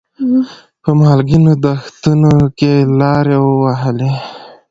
په مالګینو دښتونو کې لارې ووهلې.